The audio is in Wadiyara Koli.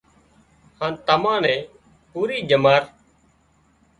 هانَ تمان نين پُوري ڄمار